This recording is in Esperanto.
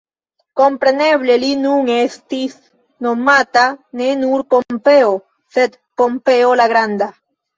Kompreneble, li nun estis nomata ne nur Pompeo, sed Pompeo la Granda.